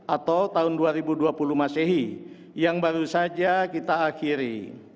atau tahun dua ribu dua puluh masehi yang baru saja kita akhiri